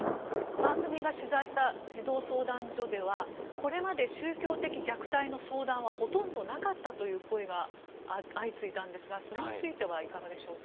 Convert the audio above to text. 番組が取材した児童相談所ではこれまで宗教的虐待の相談はほとんどなかったという声が相次いだんですがそれについてはいかがですか？